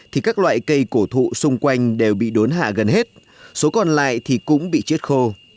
thì các loại cây cổ thụ xung quanh đều bị đốn hạ gần hết số còn lại thì cũng bị chết khô